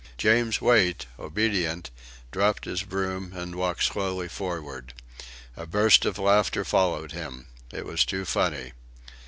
James Wait, obedient, dropped his broom, and walked slowly forward. A burst of laughter followed him. It was too funny.